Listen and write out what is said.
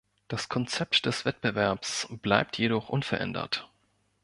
Das Konzept des Wettbewerbs bleibt jedoch unverändert.